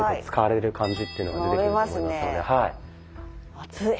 暑い。